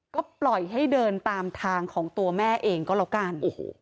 ก็ปล่อยให้เดินตามทางของตัวแม่เองก็แล้วกัน